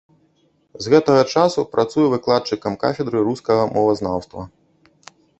З гэтага часу працуе выкладчыкам кафедры рускага мовазнаўства.